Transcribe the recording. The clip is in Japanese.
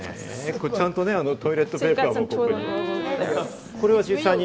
これちゃんとトイレットペーパーもね。